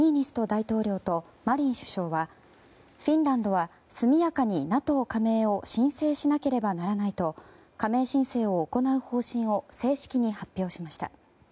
大統領とマリン首相はフィンランドは速やかにＮＡＴＯ加盟を申請しなければならないと加盟申請を行う方針を正式に発表しました。